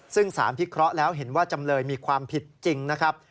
ซึ่งสารพิเคราะห์แล้วเห็นว่าจำเลยมีความผิดจริงนะครับ